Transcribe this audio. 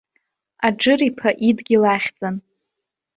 Аџыр-иԥа идгьыл ахьӡын.